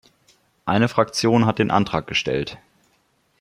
Eine Fraktion hat den Antrag gestellt.